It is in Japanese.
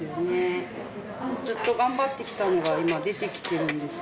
ずっと頑張ってきたのが今出てきてるんですよね。